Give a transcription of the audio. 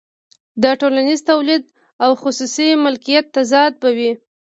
د ټولنیز تولید او خصوصي مالکیت تضاد به وي